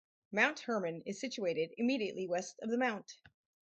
Mount Hermann is situated immediately west of the Mt.